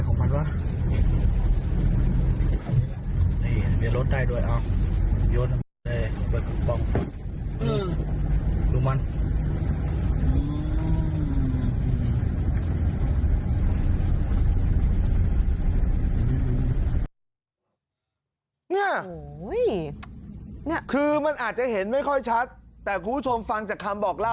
เนี่ยคือมันอาจจะเห็นไม่ค่อยชัดแต่คุณผู้ชมฟังจากคำบอกเล่า